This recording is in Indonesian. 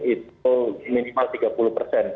itu minimal tiga puluh persen